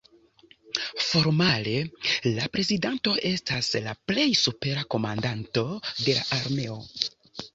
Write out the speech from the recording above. Formale la prezidanto estas la plej supera komandanto de la armeo.